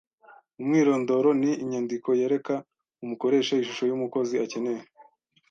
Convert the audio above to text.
Umwirondoro ni inyandiko yereka umukoresha ishusho y’umukozi akeneye.